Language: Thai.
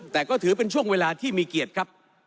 แต่ก็ถือเป็นช่วงเวลาที่มีเกียรติครับ